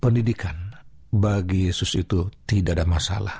pendidikan bagi yesus itu tidak ada masalah